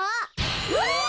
うわ！